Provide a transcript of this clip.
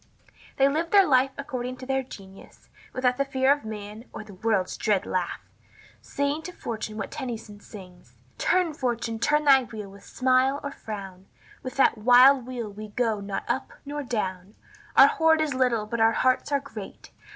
They lived their life according to their genius, without the fear of man or of "the world's dread laugh," saying to Fortune what Tennyson sings: "Turn, Fortune, turn thy wheel with smile or frown, With that wild wheel we go not up nor down; Our hoard is little, but our hearts are great.